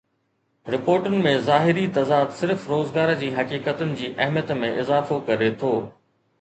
رپورٽن ۾ ظاهري تضاد صرف روزگار جي حقيقتن جي اهميت ۾ اضافو ڪري ٿو